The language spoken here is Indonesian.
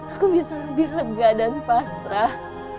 aku bisa lebih lega dan pasrah